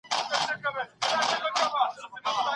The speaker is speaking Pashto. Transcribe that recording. په هر ګام کي پر بریا فکر وکړئ.